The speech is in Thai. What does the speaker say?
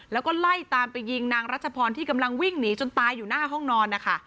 แล้วก็ไล่ตามไปยิงนางรัชพรที่กำลังวิ่งหนีจนตายอยู่หน้าห้องนอนนะคะ